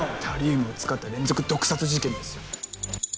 タリウムを使った連続毒殺事件ですよ